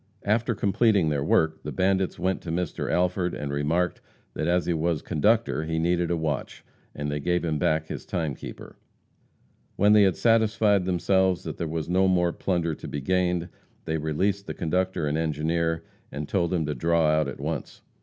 After completing their work the bandits went to Mr. Alford and remarked that as he was conductor he needed a watch, and they gave him back his timekeeper. When they had satisfied themselves that there was no more plunder to be gained, they released the conductor and engineer, and told them to draw out at once.